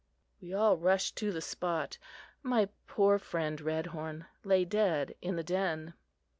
We all rushed to the spot. My poor friend, Redhorn, lay dead in the den.